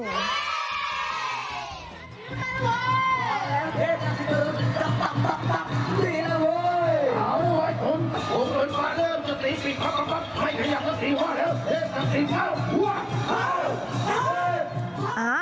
ไม่ขยับกับสีว่าเร็วเร็วกับสีเผ่าว่าเผ่า